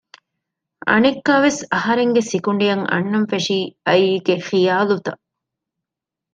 އަނެއްކާވެސް އަހަރެންގެ ސިކުނޑިއަށް އަންނަންފެށީ އައީގެ ޚިޔާލުތައް